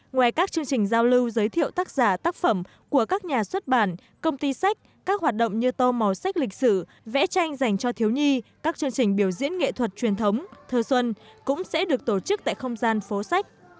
ngoài các chương trình giao lưu giới thiệu tác giả tác phẩm của các nhà xuất bản công ty sách các hoạt động như tô màu sách lịch sử vẽ tranh dành cho thiếu nhi các chương trình biểu diễn nghệ thuật truyền thống thơ xuân cũng sẽ được tổ chức tại không gian phố sách